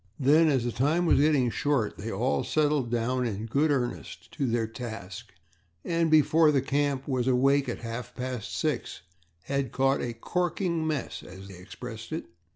Then, as the time was getting short, they all settled down in good earnest to their task and, before the camp was awake at half past six, had caught a "corking mess," as they expressed it.